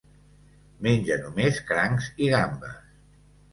Menja només crancs i gambes.